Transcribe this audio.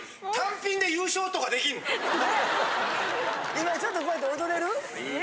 今ちょっとこうやって踊れる？